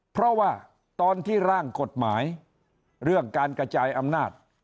เพราะว่าตอนที่ร่างกฎหมายเรื่องการกระจายอำนาจ